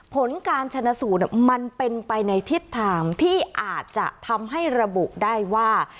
ผลการชนะสูตรมันเป็นไปในทิศทางที่อาจจะทำให้ระบุได้ว่า